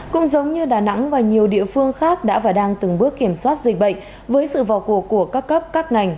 cũng giống như đà nẵng và nhiều địa phương khác đã và đang từng bước kiểm soát dịch bệnh với sự vào cuộc của các cấp các ngành